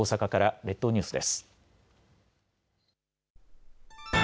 列島ニュースです。